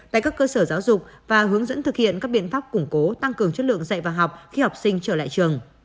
tại các cơ sở giáo dục và hướng dẫn thực hiện các biện pháp củng cố tăng cường chất lượng dạy và học khi học sinh trở lại trường